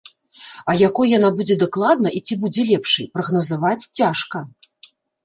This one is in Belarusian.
А якой яна будзе дакладна, і ці будзе лепшай, прагназаваць цяжка.